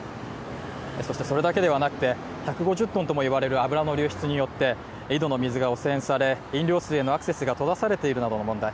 そしてそれだけではなくて１５０ｔともいわれる油の流出によって井戸の水が汚染され、飲料水へのアクセスが閉ざされているなどの問題。